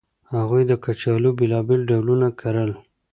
هغوی د کچالو بېلابېل ډولونه کرل